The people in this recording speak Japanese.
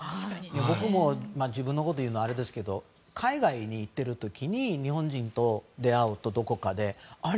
僕も自分のことを言うのはあれですけど海外に行っている時に日本人と出会うとあれ？